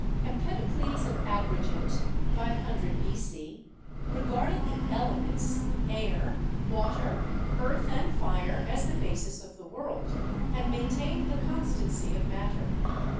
Empedocles of Agrigent (500 B.C.) regarded the 'ele ments' air, water, earth and fire as the basis of the world, and maintained the constancy of matter.